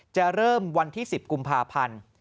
จะเริ่มวันที่๑๐กุมภาพันธ์